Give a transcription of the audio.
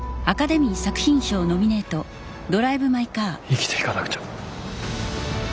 生きていかなくちゃ。